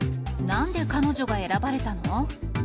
なんで彼女が選ばれたの？